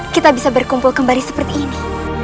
kita bisa berkumpul kembali seperti ini